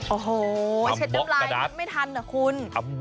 โอ้โหเช็ดน้ำลายไม่ทันนะคุณ